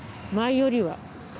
前よりは。